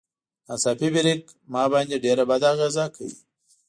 ناڅاپي بريک ما باندې ډېره بده اغېزه کوي.